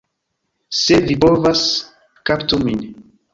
Se vi povas, kaptu min!